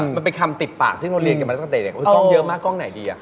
มันเป็นคำติดปากที่โรงเรียนเกี่ยวมาตั้งแต่เนี่ยโอ้ยกล้องเยอะมากกล้องไหนดีอ่ะ